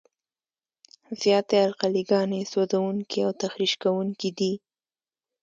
زیاتې القلي ګانې سوځونکي او تخریش کوونکي دي.